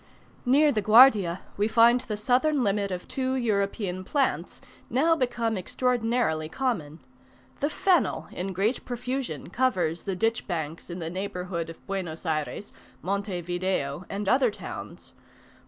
Near the Guardia we find the southern limit of two European plants, now become extraordinarily common. The fennel in great profusion covers the ditch banks in the neighbourhood of Buenos Ayres, Monte Video, and other towns.